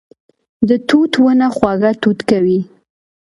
د توت ونه خواږه توت کوي